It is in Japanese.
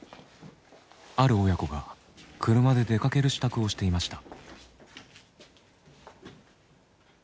ある親子が車で出かける支度をしていました。